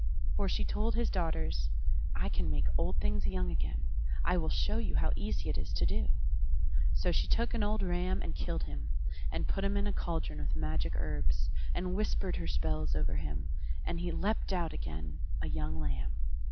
For she told his daughters: "I can make old things young again; I will show you how easy it is to do." So she took an old ram and killed him, and put him in a cauldron with magic herbs; and whispered her spells over him, and he leapt out again a young lamb.